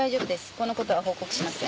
このことは報告しません。